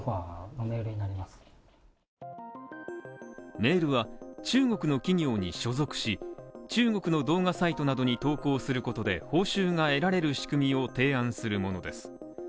メールは中国の企業に所属し、中国の動画サイトなどに投稿することで報酬が得られる仕組みを提案するものです。